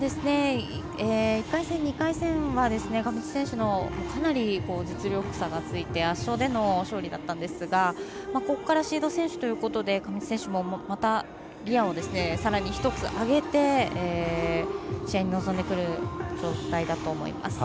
１回戦、２回戦は上地選手のかなり実力差がついて圧勝での勝利だったんですがここからシード選手ということで上地選手もまた、ギヤをさらに１つ上げて試合に臨んでくる状態だと思います。